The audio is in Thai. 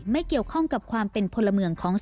ไม่เกี่ยวข้องกับความเป็นพลเมืองของ